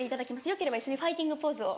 よければ一緒にファイティングポーズを。